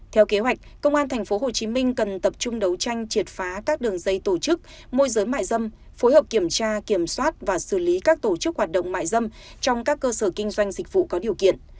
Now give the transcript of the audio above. theo kế hoạch công an tp hcm cần tập trung đấu tranh triệt phá các đường dây tổ chức môi giới mại dâm phối hợp kiểm tra kiểm soát và xử lý các tổ chức hoạt động mại dâm trong các cơ sở kinh doanh dịch vụ có điều kiện